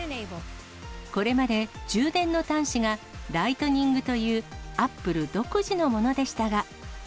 これまで充電の端子が、ライトニングというＡｐｐｌｅ独自のものでしたが。